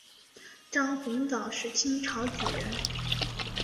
张鸿藻是清朝举人。